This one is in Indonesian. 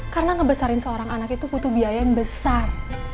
karena ngebesarin seorang anak itu butuh biaya yang besar